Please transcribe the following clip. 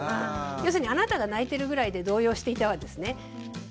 要するにあなたが泣いてるぐらいで動揺していてはですね